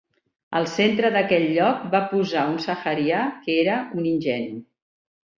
Al centre d'aquell lloc va posar un saharia que era un ingenu.